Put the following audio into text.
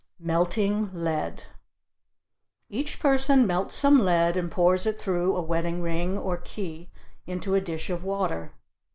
MELTING LEAD Each person melts some lead and pours it through a wedding ring or key into a dish of water.